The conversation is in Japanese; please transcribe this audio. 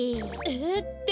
えっ？